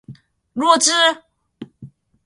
弱智？